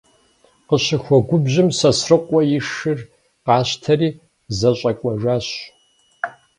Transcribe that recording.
Къыщыхуэгубжьым, Сосрыкъуэ и шыр къащтэри зэщӏэкӏуэжащ.